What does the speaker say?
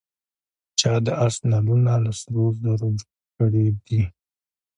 چا د آس نعلونه له سرو زرو جوړ کړي دي.